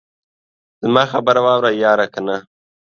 زما خبره واوره ياره کنه.